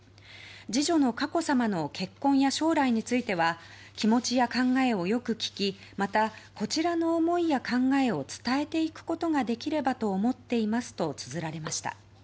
次女の佳子さまの結婚や将来については気持ちや考えをよく聞きまた、こちらの思いや考えを伝えていくことができればと思っていますとつづられました。